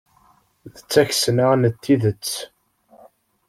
D takesna n tidet!